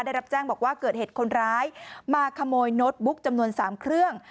ได้รับแจ้งบอกว่าเกิดเหตุคนร้ายมาขโมยโน้ตบุ๊กจำนวน๓เครื่อง